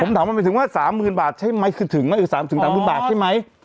ผมถามเค้าเป็นถึงว่า๓๐๐๐๐บาทใช่ไหมคือถึงถึงต่างพื้นบาทใช่ไหม